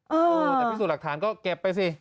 เออแต่พิสูจน์หลักฐานก็เก็บไปสิ